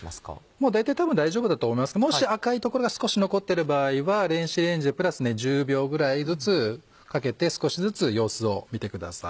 もう大体多分大丈夫だと思いますがもし赤い所が少し残ってる場合は電子レンジでプラス１０秒ぐらいずつかけて少しずつ様子を見てください。